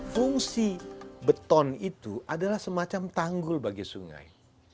fungsi beton itu adalah semacam tanggul bagi sungai